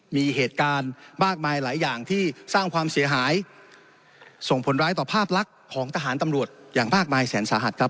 มีเหตุการณ์มากมายหลายอย่างที่สร้างความเสียหายส่งผลร้ายต่อภาพลักษณ์ของทหารตำรวจอย่างมากมายแสนสาหัสครับ